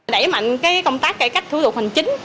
đẩy mạnh công tác cải cách thủ tục hành chính